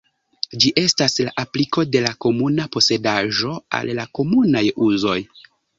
Ĝi estas la apliko de la komuna posedaĵo al komunaj uzoj.